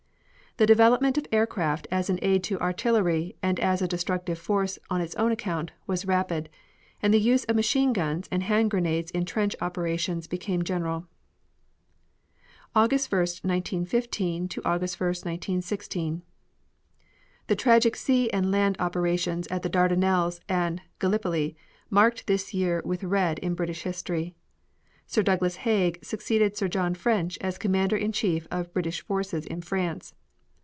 The development of aircraft as an aid to artillery and as a destructive force on its own account, was rapid, and the use of machine guns and hand grenades in trench operations became general. AUGUST 1, 1915 AUGUST 1, 1916 The tragic sea and land operations at the Dardanelles and Gallipoli marked this year with red in British history. Sir Douglas Haig succeeded Sir John French as Commander in Chief of British forces in France.